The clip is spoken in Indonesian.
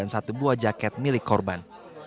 sebuah jaket milik korban